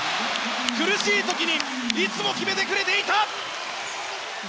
苦しい時にいつも決めてくれていた！